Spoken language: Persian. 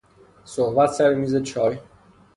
صحبت سر میزچای